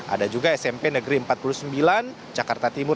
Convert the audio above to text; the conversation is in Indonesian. ada juga smp negeri empat puluh sembilan jakarta timur